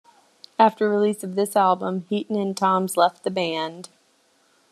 After release of this album, Heaton and Thoms left the band.